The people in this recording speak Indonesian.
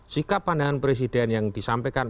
sikap pandangan presiden yang disampaikan